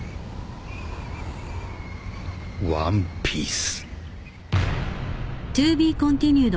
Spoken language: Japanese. ワンピース。